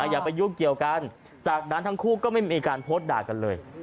อย่าไปยุ่งเกี่ยวกันจากนั้นทั้งคู่ก็ไม่มีการโพสต์ด่ากันเลย